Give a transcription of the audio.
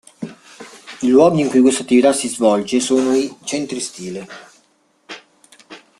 I luoghi in cui questa attività si svolge sono i "centri stile".